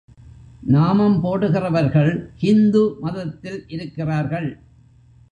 நாமம் போடுகிறவர்கள் ஹிந்து மதத்தில் இருக்கிறார்கள்.